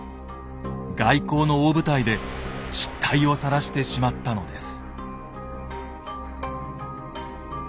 外交の大舞台で失態をさらしてしまったのです。